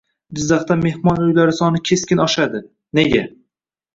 Jizzaxda mehmon uylari soni keskin oshadi? Nega?